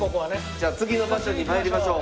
じゃあ次の場所に参りましょう。